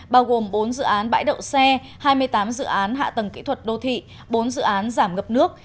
bao gồm bốn dự án bãi đậu xe hai mươi tám dự án hạ tầng kỹ thuật đô thị bốn dự án giảm ngập nước